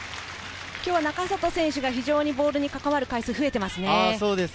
今日、中里選手がボールに関わる回数が増えていますね。